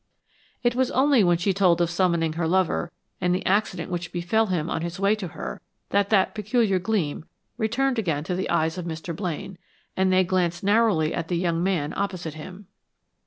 It was only when she told of summoning her lover, and the accident which befell him on his way to her, that that peculiar gleam returned again to the eyes of Mr. Blaine, and they glanced narrowly at the young man opposite him.